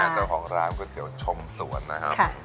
เจ้าของร้านก๋วยเตี๋ยวชมสวนนะครับ